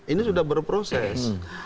ini sudah berproses